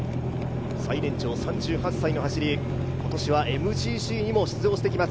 最年長３８歳の走り、今年はＭＧＣにも登場してきます